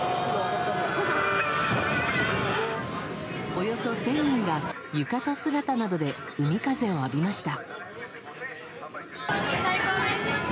およそ１０００人が浴衣姿などで海風を浴びました。